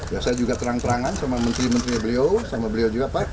ya saya juga terang terangan sama menteri menteri beliau sama beliau juga pak